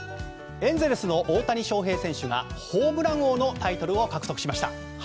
エンゼルスの大谷翔平選手がホームラン王のタイトルを獲得しました。